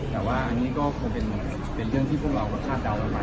แต่ว่าเป็นเรื่องที่เราคาดเดาก็มีสมัย